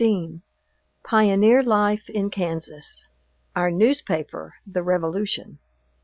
CHAPTER XVI. PIONEER LIFE IN KANSAS OUR NEWSPAPER, "THE REVOLUTION."